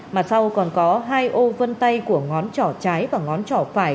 mặt sau còn có hai ô vân tay của ngón trỏ trái và ngón trỏ phải